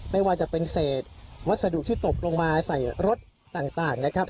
ไม่ว่าจะเป็นเศษวัสดุที่ตกลงมาใส่รถต่างนะครับ